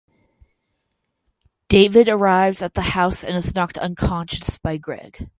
David arrives at the house and is knocked unconscious by Greg.